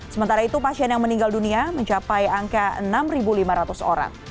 sementara itu pasien yang meninggal dunia mencapai angka enam lima ratus orang